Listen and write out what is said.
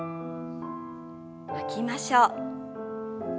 吐きましょう。